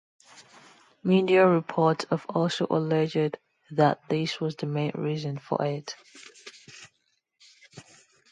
Media reports have also alleged that this was the main reason for it.